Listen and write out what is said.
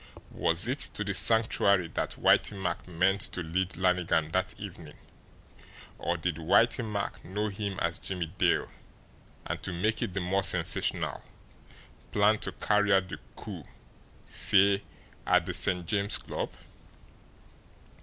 Was it to the Sanctuary that Whitey Mack meant to lead Lannigan that evening or did Whitey Mack know him as Jimmie Dale, and to make it the more sensational, plan to carry out the coup, say, at the St. James Club?